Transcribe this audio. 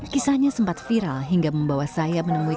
kisahnya sempat viral hingga membawa saya menemui